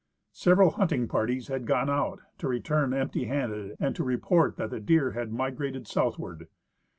Several hunting parties had gone out, to return empty handed and to report that the deer had migrated southward.